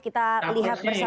kita lihat bersama